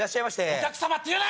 お客様って言うな！